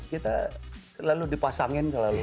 kita selalu dipasangin selalu